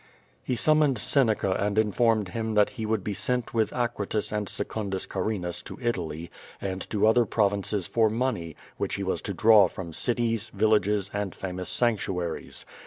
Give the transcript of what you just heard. He summoned Seneca and informed him that he would be sent with Acratus and Secundus Carinus to Italy, and to other provinces for money, which he was to draw from cities, vil lages, and famous sanctuaries.